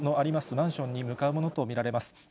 マンションに向かうものと見られます。